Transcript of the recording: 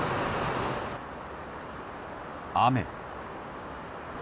雨。